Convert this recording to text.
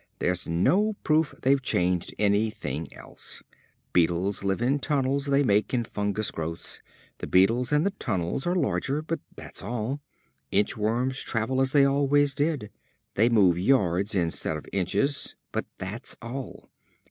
There's no proof they've changed anything else. Beetles live in tunnels they make in fungus growths. The beetles and the tunnels are larger, but that's all. Inchworms travel as they always did. They move yards instead of inches, but that's all.